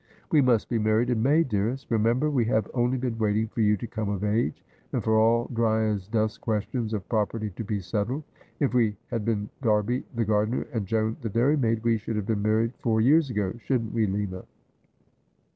We must be married in May, dearest. Remember we have only been waiting for you to come of age, and for all dry as dust questions of property to be settled. If we had been Darby the gardener and Joan the dairymaid, we should have been married four years ago, shouldn't we, Lina?'